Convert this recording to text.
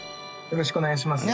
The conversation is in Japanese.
よろしくお願いします